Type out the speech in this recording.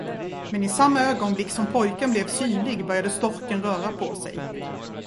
Men i samma ögonblick, som pojken blev synlig, började storken röra på sig.